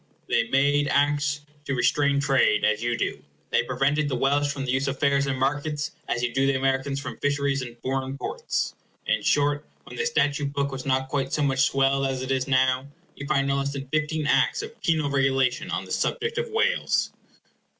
They made Acts to restrain trade, as you do; and they prevented the Welsh from the use of fairs and markets, as you do the Americans from fisheries and foreign ports. In short, when the Statute Book was not quite so much swelled as it is now, you find no less than fifteen acts of penal regulation on the subject of Wales.